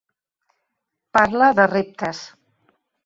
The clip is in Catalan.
Parla de reptes.